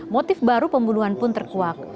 motif baru pembunuhan pun terkuak